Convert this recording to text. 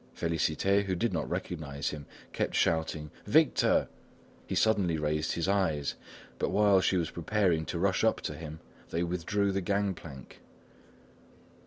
Félicité, who did not recognise him, kept shouting: "Victor!" He suddenly raised his eyes, but while she was preparing to rush up to him, they withdrew the gangplank.